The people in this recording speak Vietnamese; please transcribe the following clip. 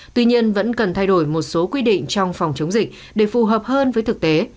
tuy nhiên vẫn cần thay đổi một số quy định trong phòng chống dịch để phù hợp hơn với thực tế